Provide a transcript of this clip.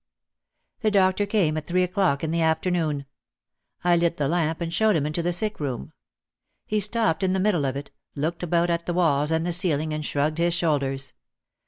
The doctor came at three o'clock in the afternoon. I lit the lamp and showed him into the sick room. He stopped in the middle of it, looked about at the walls and the ceiling, and shrugged his shoulders.